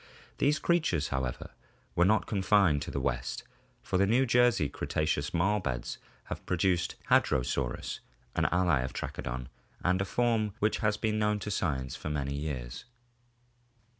These creatures, however, were not confined to the West, for the New Jersey Cretaceous marl beds have produced Hadrosaurus, an ally of Trachodon and a form which has been known to science for many years.